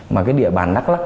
mà cái địa bàn đắk lắc